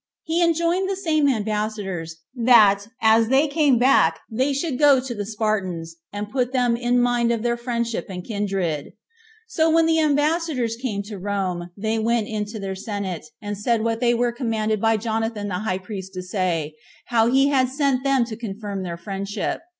He enjoined the same ambassadors, that, as they came back, they should go to the Spartans, and put them in mind of their friendship and kindred. So when the ambassadors came to Rome, they went into their senate, and said what they were commanded by Jonathan the high priest to say, how he had sent them to confirm their friendship.